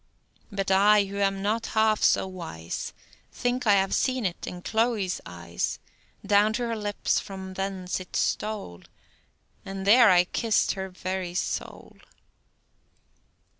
But I, who am not half so wise, Think I have seen't in Chloe's eyes; Down to her lips from thence it stole, And there I kiss'd her very soul.